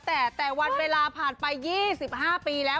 แต่แต่วันเวลาผ่านไป๒๕ปีแล้ว